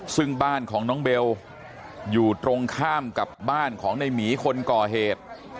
ซึ่งบ้านของน้องเบลอยู่ตรงข้ามกับบ้านของในหมีคนก่อเหตุ